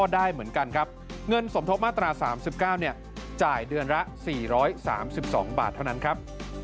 ได้เหมือนกันครับเงินสมทบมาตรา๓๙จ่ายเดือนละ๔๓๒บาทเท่านั้นครับ